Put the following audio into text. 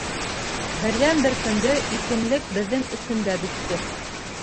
Берҙән-бер көндө иркенлек беҙҙең өсөн дә бөттө.